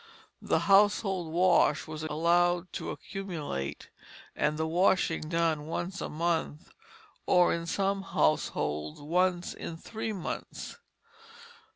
The household wash was allowed to accumulate, and the washing done once a month, or in some households once in three months.